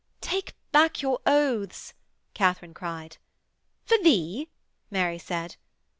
'Take back your oaths!' Katharine cried. 'For thee!' Mary said.